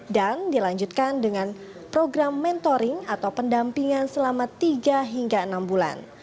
dan dilanjutkan dengan program mentoring atau pendampingan selama tiga hingga enam bulan